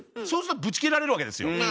そうするとぶち切られるわけですよ。